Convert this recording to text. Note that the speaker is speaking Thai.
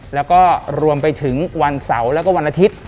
แล้วก็รวมไปถึงวันเสาร์แล้วก็วันอาทิตย์